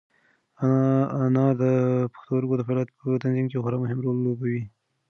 انار د پښتورګو د فعالیت په تنظیم کې خورا مهم رول لوبوي.